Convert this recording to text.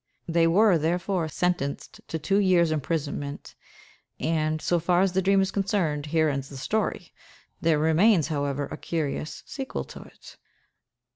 They were, therefore, sentenced to two years' imprisonment; and, so far as the dream is concerned, here ends the story. There remains, however, a curious sequel to it.